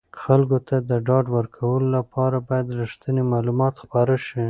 خلکو ته د ډاډ ورکولو لپاره باید رښتیني معلومات خپاره شي.